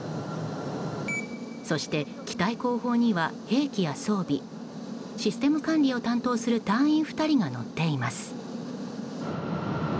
そして、機体後方には兵器や装備システム管理を担当する隊員２人が乗っています。